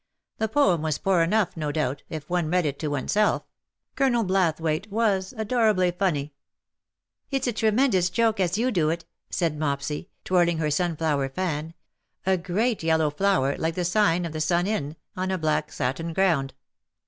The poem was poor enough, no doubt, if one read it to oneself. Colonel Blathwayt was adorably fuimy." " It's a tremendoas joke, as you do it," said Mopsy, twirling her sunflower fan — a great yellow flower, like the sign of the Sun Inn, on a black satin ground.